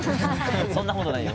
そんなことないよ。